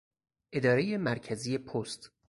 ادارهی مرکزی پست